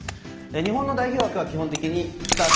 日本の代表枠は基本的に２つ。